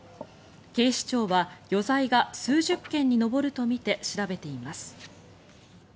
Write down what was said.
警視庁は余罪が数十件に上るとみて調べています。